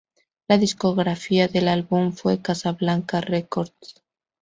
La discográfica del álbum fue Casablanca Records.